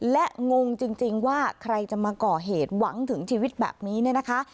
และงงจริงว่าใครจะมาก่อเหตุหวังถึงชีวิตแบบนี้เนี่ยนะคะ